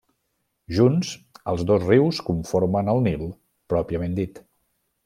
Junts, els dos rius conformen el Nil pròpiament dit.